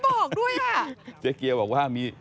มีความว่ายังไง